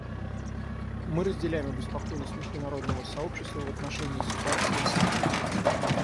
Мы разделяем обеспокоенность международного сообщества в отношении ситуации в Сирии.